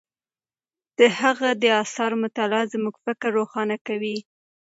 د هغه د آثارو مطالعه زموږ فکر روښانه کوي.